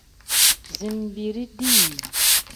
Zinbiri dii.